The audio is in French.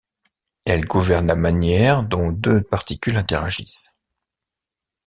Elle gouverne la manière dont deux particules interagissent.